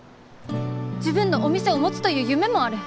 自分のお店を持つという夢もある。